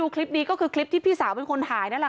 คลิปนี้คือคลิปที่พี่สาวเรียนผ่าน